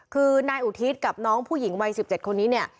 คือนายอุทิศกับน้องผู้หญิงวัย๑๗คนนี้เนี่ย